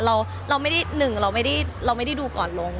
เราไม่ได้หนึ่งเราไม่ได้เราไม่ได้ดูก่อนลง